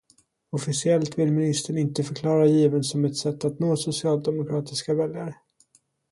Officiellt vill ministern inte förklara given som ett sätt att nå socialdemokratiska väljare.